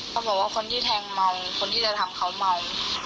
เขาบอกว่าคนที่แทงเมาคนที่จะทำเขาเมา